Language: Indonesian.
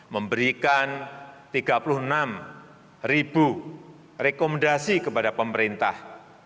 memberikan tiga puluh enam ribu rekomendasi kepada pemerintah